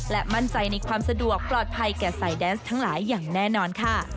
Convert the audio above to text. และมั่นใจในความสะดวกปลอดภัยแก่สายแดนส์ทั้งหลายอย่างแน่นอนค่ะ